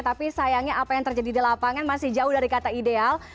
tapi sayangnya apa yang terjadi di lapangan masih jauh dari kata ideal